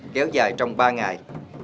kéo dài trong ba ngày